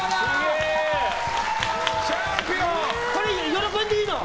喜んでいいの？